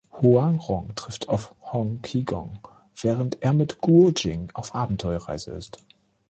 Huang Rong trifft auf Hong Qigong, während er mit Guo Jing auf Abenteuerreise ist.